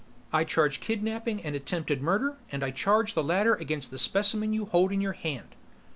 I charge kidnaping and attempted murder, and I charge the latter against the specimen you hold in your hand."